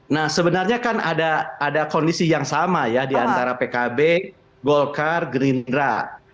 nah sebenarnya kan ada kondisi yang sama ya diantara pkb golkar gerindra